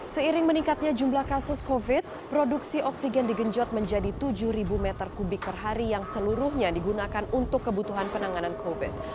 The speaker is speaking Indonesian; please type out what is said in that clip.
seiring meningkatnya jumlah kasus covid produksi oksigen digenjot menjadi tujuh meter kubik per hari yang seluruhnya digunakan untuk kebutuhan penanganan covid